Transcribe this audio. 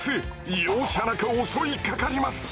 容赦なく襲いかかります。